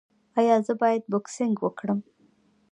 ایا زه باید بوکسینګ وکړم؟